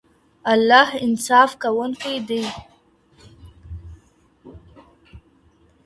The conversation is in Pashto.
الله انصاف کوونکی دی.